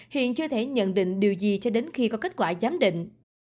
hiện chưa thể nhận định điều gì cho đến khi có kết quả giám định